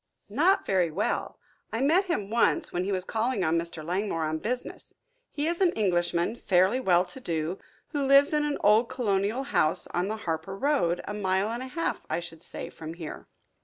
"Not very well I met him once, when he was calling on Mr. Langmore on business. He is an Englishman, fairly well to do, who lives in an old colonial house on the Harper road, a mile and a half, I should say, from here."